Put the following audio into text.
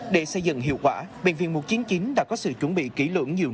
để xây dựng hiệu quả bệnh viện một trăm chín mươi chín đã có sự chuẩn bị kỹ lưỡng nhiều năm